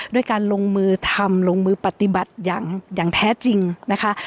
ด้วยการลงมือทำลงมือปฏิบัติอย่างแท้จริงนะคะ